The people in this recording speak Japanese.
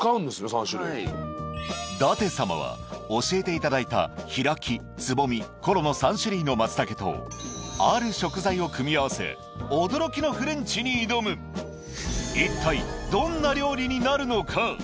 ３種類はい舘様は教えていただいたひらきつぼみコロの３種類の松茸とある食材を組み合わせ驚きのフレンチに挑むになるのか？